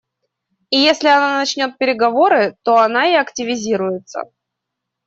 И если она начнет переговоры, то она и активизируется.